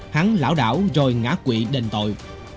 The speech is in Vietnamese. hắn lão đảo rồi ngã quỵ đền tội